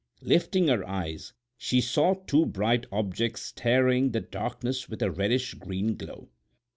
Lifting her eyes she saw two bright objects starring the darkness with a reddish green glow.